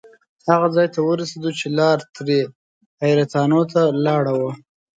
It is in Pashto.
هغه ځای ته ورسېدو چې لار ترې حیرتانو ته لاړه وه.